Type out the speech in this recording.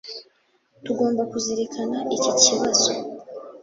Tugomba kuzirikana iki kibazo